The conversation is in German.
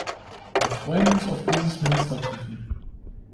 Wir freuen uns auf dieses Ministertreffen.